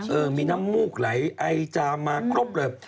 เออมีน้ำมูกไหลไอจามมาครบเลย